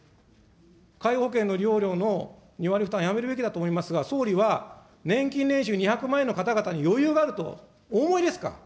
介護保険の利用料の２割負担やめるべきだと思いますが、総理は年金年収２００万円の方々に余裕があるとお思いですか。